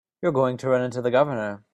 You're going to run into the Governor.